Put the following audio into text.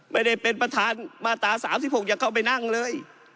ไม่ได้เป็นประธานมาตรา๓๖อย่าเข้าไปนั่งเลย